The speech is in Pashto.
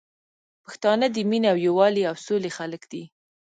پښتانه د مينې او یوالي او سولي خلګ دي